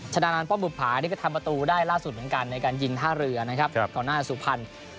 นานป้อมบุภานี่ก็ทำประตูได้ล่าสุดเหมือนกันในการยิงท่าเรือนะครับก่อนหน้าสุพรรณ